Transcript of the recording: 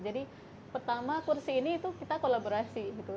jadi pertama kursi ini itu kita kolaborasi gitu